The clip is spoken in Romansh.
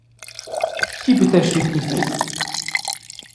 Tgi pitescha il pli fetg?